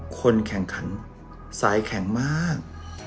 คนแข่งขันสายแข็งมาก